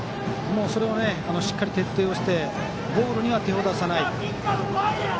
それはしっかり徹底をしてボールには手を出さない。